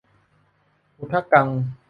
อุทะกัง